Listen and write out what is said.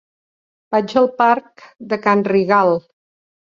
Vaig al parc de Can Rigal.